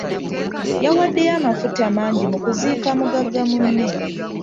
Yawaddeyo amafuta mangi mu kuziika mugagga munne.